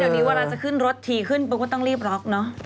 เดี๋ยวนี้เวลาจะขึ้นรถทีขึ้นปุ๊บก็ต้องรีบล็อกเนอะ